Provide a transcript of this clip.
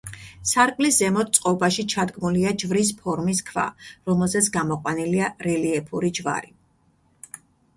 სარკმლის ზემოთ წყობაში ჩადგმულია ჯვრის ფორმის ქვა, რომელზეც გამოყვანილია რელიეფური ჯვარი.